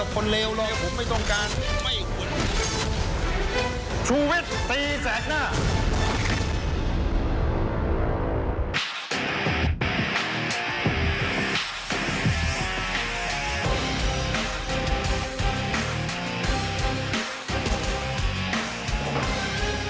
ผมไม่รวมรู้กับคนเลวเลยผมไม่ต้องการไม่ควร